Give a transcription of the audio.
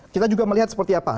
kita juga melihat seperti apa